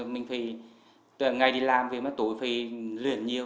mình phải ngày đi làm vì mắt tôi phải luyện nhiều